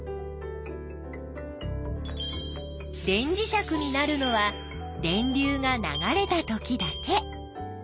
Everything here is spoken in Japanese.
電磁石になるのは電流が流れたときだけ。